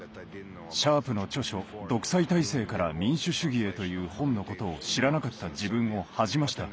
シャープの著書「独裁体制から民主主義へ」という本のことを知らなかった自分を恥じました。